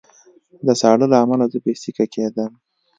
د ساړه له امله زه بې سېکه کېدم